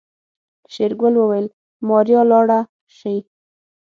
شېرګل وويل ماريا لاړه شي.